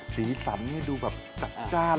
สีสำเนี้ยดูแบบจักจ้าน